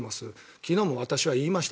昨日も私は言いました